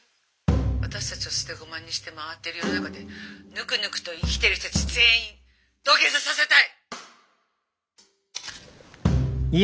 「私たちを捨て駒にして回ってる世の中でぬくぬくと生きている人たち全員土下座させたい！」。